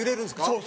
そう。